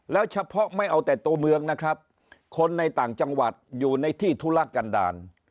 แล้วเฉพาะไม่เอาแต่ตัวเมืองนะครับคนในต่างจังหวัดอยู่ในที่ธุระกันดาล